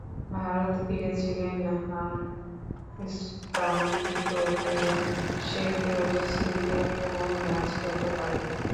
ভারত ফিরেছিলেন হ্যামস্টিং চোট নিয়ে, শেফিল্ড শিল্ডেও কোনো ম্যাচ খেলতে পারেননি।